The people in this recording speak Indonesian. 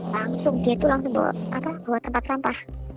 langsung dia itu langsung bawa tempat sampah